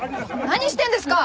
何してるんですか？